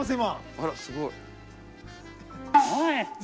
あらすごい。